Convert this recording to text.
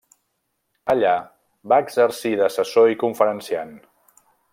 Allà va exercir d'assessor i conferenciant.